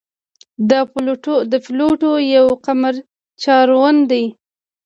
د پلوټو یو قمر چارون دی.